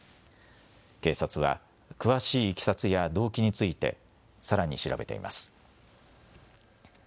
警察は詳しいいきさつや動機についてさらに調べています。